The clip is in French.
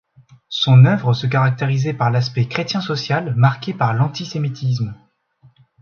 Son œuvre se caractérisait par aspect chrétien-social marqué par l’antisémitisme.